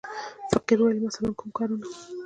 فقیر وویل: مثلاً کوم کارونه.